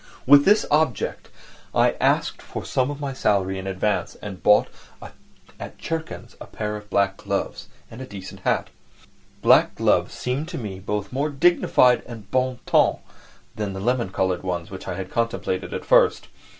With this object I asked for some of my salary in advance, and bought at Tchurkin's a pair of black gloves and a decent hat. Black gloves seemed to me both more dignified and bon ton than the lemon coloured ones which I had contemplated at first.